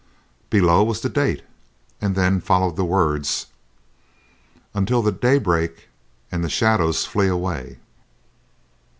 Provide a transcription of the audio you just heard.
Below was the date, and then followed the words, "Until the day break, and the shadows flee away."